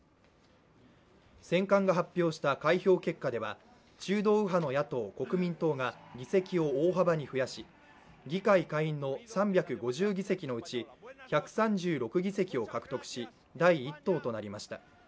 選管が発表した開票結果では中道右派の野党国民党が議席を大幅に増やし、議会下院の３５０議席のうち１３６議席を獲得し第１党となりました。